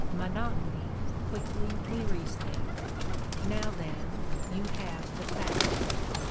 Monotony quickly wearies them. Now, then, you have the facts.